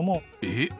えっ！